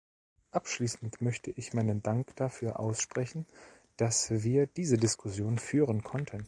Abschließend möchte ich meinen Dank dafür aussprechen, dass wir diese Diskussion führen konnten.